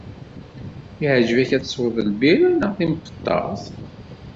Iεǧeb-ak ad tesweḍ lbira neɣ timqeṭṭert?